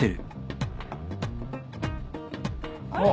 あれ？